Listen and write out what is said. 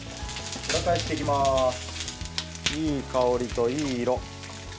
いい香りといい色。